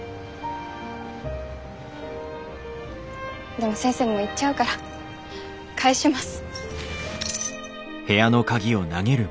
でも先生もう行っちゃうから返します。